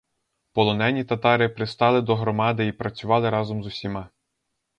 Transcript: Полонені татари пристали до громади і працювали разом з усіма.